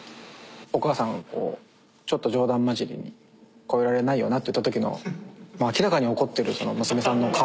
お母さんがこうちょっと冗談交じりに超えられないよなって言ったときのもう明らかに怒ってる娘さんの顔。